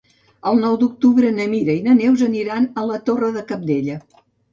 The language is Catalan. El nou d'octubre na Mira i na Neus aniran a la Torre de Cabdella.